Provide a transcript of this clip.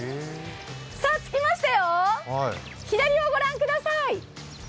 さあ、着きましたよ、左をご覧ください。